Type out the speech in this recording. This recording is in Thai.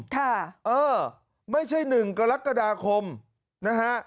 ค่ะเออไม่ใช่หนึ่งกรกฎาคมนะฮะ